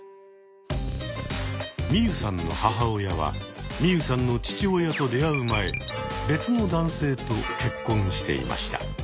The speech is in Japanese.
ミユさんの母親はミユさんの父親と出会う前別の男性と結婚していました。